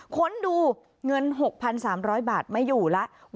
ค้นดูเงินหกพันสามร้อยบาทไม่อยู่แล้ว